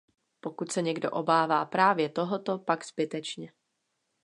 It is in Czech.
Pokud se někdo obává právě tohoto, pak zbytečně.